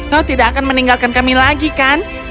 kau tidak akan meninggalkan kami lagi kan